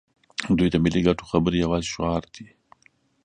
دوی د ملي ګټو خبرې یوازې شعار دي.